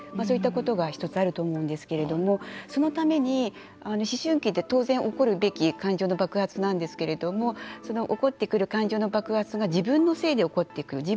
そういったことが１つあると思うんですけれどもそのために思春期って当然、起こるべき感情の爆発なんですけれどもその起こってくる感情の爆発が自分のせいで起こってくる。